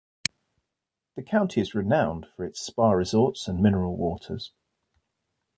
The county is renowned for its spa resorts and mineral waters.